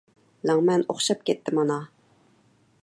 لەڭمەن ئوخشاپ كەتتى مانا.